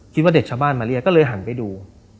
คิดว่าเด็กชาวบ้านมาเรียกก็เลยหันไปดู